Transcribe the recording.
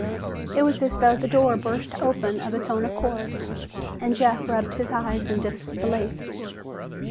It was as though the door burst open of its own accord, and Jeff rubbed his eyes in disbelief.